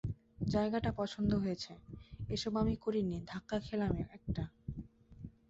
জায়গাটা পছন্দ হয়েছে - এসব আমি করিনি ধাক্কা খেলাম একটা!